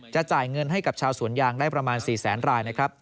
จ่ายเงินให้กับชาวสวนยางได้ประมาณ๔แสนรายนะครับ